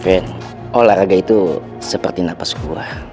vero olahraga itu seperti nafas gue